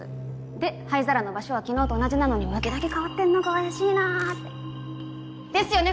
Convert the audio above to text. で灰皿の場所は昨日と同じなのに向きだけ変わってるのが怪しいなって。ですよね？